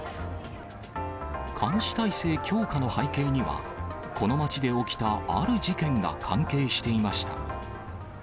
監視体制強化の背景には、この街で起きたある事件が関係していました。